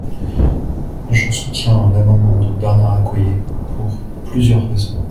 Je soutiens l’amendement de Bernard Accoyer, pour plusieurs raisons.